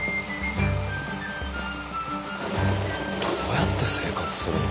どうやって生活するの？